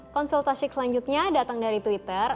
konsultasi selanjutnya datang dari twitter